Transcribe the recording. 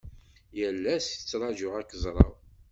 Yal ass tṛajuɣ ad ak-ẓreɣ.